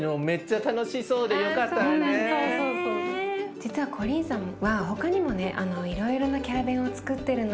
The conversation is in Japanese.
実はコリーンさんは他にもねいろいろなキャラベンをつくってるの。